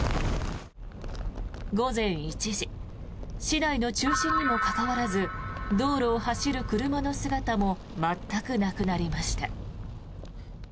午前１時市内の中心にもかかわらず道路を走る車の姿も全くなくなりました。